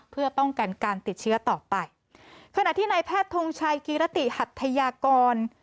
เพื่อป้องกันการติดเชื้อต่อไปขณะที่นายแพทย์ทงชัยกิรติหัทยากร